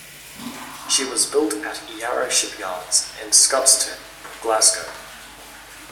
She was built at Yarrow shipyards in Scotstoun, Glasgow.